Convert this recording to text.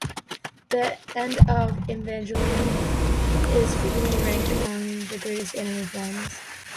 "The End of Evangelion" is frequently ranked among the greatest anime films.